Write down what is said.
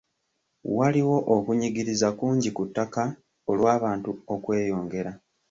Waliwo okunyigiriza kungi ku ttaka olw'abantu okweyongera.